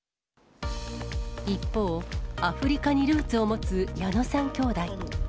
一方、アフリカにルーツを持つ矢野さん兄弟。